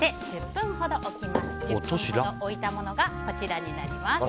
１０分ほど置いたものがこちらになります。